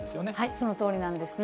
そのとおりなんですね。